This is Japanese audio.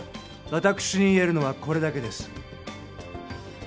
私に言えるのはこれだけです。